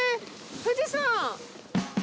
富士山。